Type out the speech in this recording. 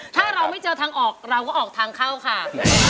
ถ้าเราไม่เจอทางออกเราก็ออกทางเข้าค่ะ